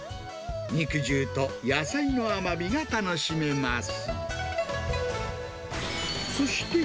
肉汁と野菜の甘みが楽しめます。